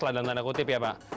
ladang ladang kutip ya pak